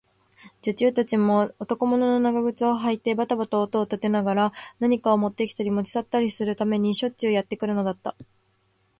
女中たちも、男物の長靴をはいてばたばた音を立てながら、何かをもってきたり、もち去ったりするためにしょっちゅうやってくるのだった。